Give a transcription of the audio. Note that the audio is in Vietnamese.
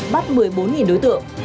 bắt một mươi bốn đối tượng